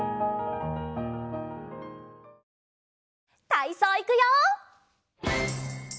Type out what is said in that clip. たいそういくよ！